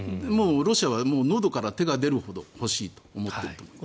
ロシアはのどから手が出るほど欲しいと思っていると思います。